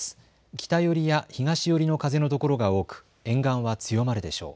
北寄りや東寄りの風のところが多く、沿岸は強まるでしょう。